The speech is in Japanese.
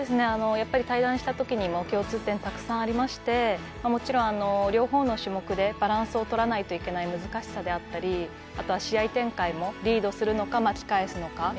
やっぱり対談したときにも共通点たくさんありましてもちろん両方の種目でバランスを取らないといけない難しさであったりあとは試合展開もリードするのか巻き返すのか。